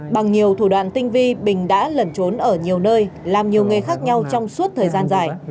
bằng nhiều thủ đoạn tinh vi bình đã lẩn trốn ở nhiều nơi làm nhiều nghề khác nhau trong suốt thời gian dài